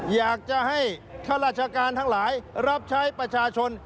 อยากจะให้ข้าราชการทั้งหลายรับใช้ประชาชน